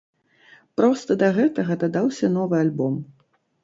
Проста да гэтага дадаўся новы альбом.